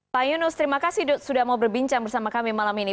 pak yunus terima kasih sudah mau berbincang bersama kami malam ini